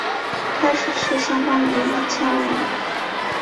开始是相当于一千文。